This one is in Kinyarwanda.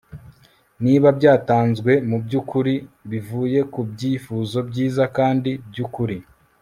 niba byatanzwe mubyukuri bivuye ku byifuzo byiza kandi byukuri ...